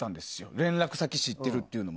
連絡先知ってるっていうのも。